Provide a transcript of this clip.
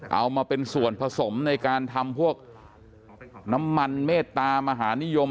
เอามาเป็นส่วนผสมในการทำพวกน้ำมันเมตตามหานิยม